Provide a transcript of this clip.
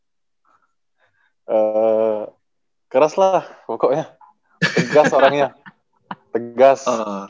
eee keras lah pokoknya tegas orangnya tegas